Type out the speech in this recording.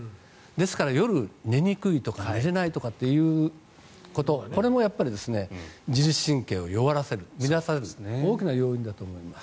ですから、夜、寝にくいとか寝れないということこれも自律神経を弱らせる乱される大きな要因だと思います。